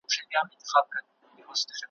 حیرت واخیستی د خدای و هسي کړو ته `